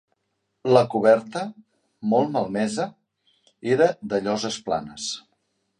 La coberta, molt malmesa, era de lloses planes.